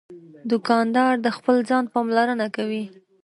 دوکاندار د خپل ځان پاملرنه کوي.